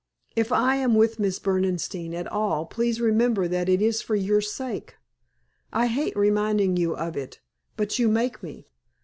If I am with Miss Berdenstein at all please remember that it is for your sake. I hate reminding you of it, but you make me."